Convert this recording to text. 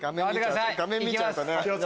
画面見ちゃうとね。